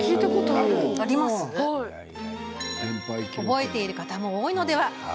覚えている方も多いのでは？